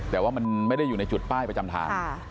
แต่ว่ามันไม่ได้อยู่ในจุดป้ายประจำทาง